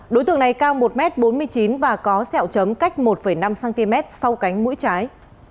đối tượng này cao một m bốn mươi chín và có sẹo chấm cách một năm cm sau cánh mũi trái